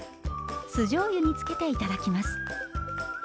酢じょうゆにつけて頂きます。